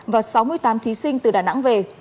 và sáu mươi tám thí sinh từ đà nẵng về